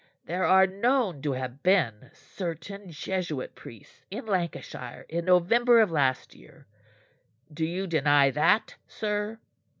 There are known to have been certain Jesuit priests in Lancashire in November of last year do you deny that, sir?"